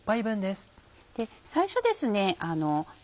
最初ですねあの。